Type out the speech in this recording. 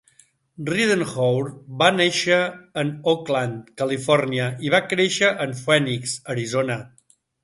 Ridenhour va nàixer en Oakland, Califòrnia, i va créixer en Phoenix, Arizona.